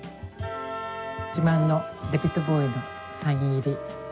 自慢のデヴィッド・ボウイのサイン入り。